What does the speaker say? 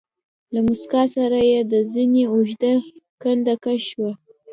له موسکا سره يې د زنې اوږده کنده کش شوه.